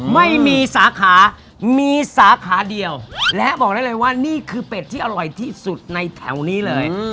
ไม่มีสาขามีสาขาเดียวและบอกได้เลยว่านี่คือเป็ดที่อร่อยที่สุดในแถวนี้เลย